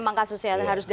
jangan lupa shbrp com